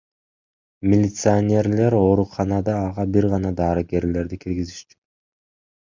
Милиционерлер ооруканада ага бир гана дарыгерлерди киргизишчү.